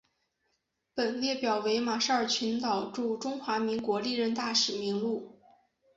本列表为马绍尔群岛驻中华民国历任大使名录。